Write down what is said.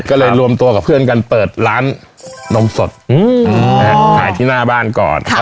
ก็เลยรวมตัวกับเพื่อนกันเปิดร้านนมสดถ่ายที่หน้าบ้านก่อน